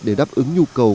để đáp ứng nhu cầu